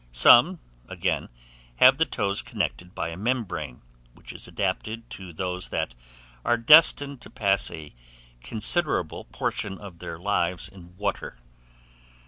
Some, again, have the toes connected by a membrane, which is adapted to those that are destined to pass a considerable portion of their lives in water.